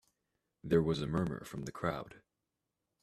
There was a murmur from the crowd.